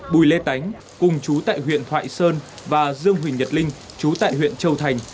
bùi lê tánh cùng chú tại huyện thoại sơn và dương huỳnh nhật linh chú tại huyện châu thành